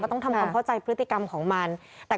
ต้องทำความเข้าใจพฤติกรรมของมัน